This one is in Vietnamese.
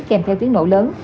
kèm theo tiếng nổ lớn